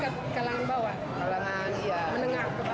menengah ke bawah